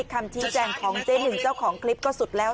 คำชี้แจงของเจ๊หนึ่งเจ้าของคลิปก็สุดแล้ว